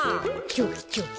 チョキチョキ。